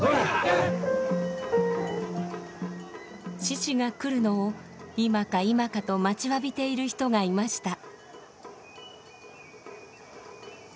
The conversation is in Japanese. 獅子が来るのを今か今かと待ちわびている人がいました。